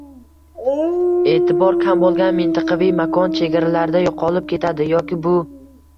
e’tibor kam bo‘lgan mintaqaviy makon chegaralarida yo‘qolib ketadi, yoki bu